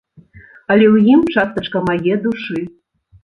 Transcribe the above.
Але ў ім частачка мае душы.